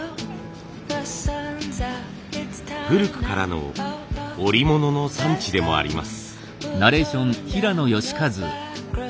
古くからの織物の産地でもあります。